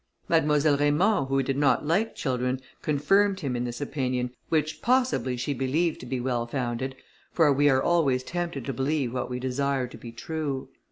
Mademoiselle Raymond, who did not like children, confirmed him in this opinion, which possibly she believed to be well founded, for we are always tempted to believe what we desire to be true.